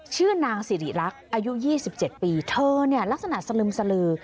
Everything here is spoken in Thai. ชื่อนางสิริรักษ์อายุ๒๗ปีเธอเนี่ยลักษณะสลึมสลือ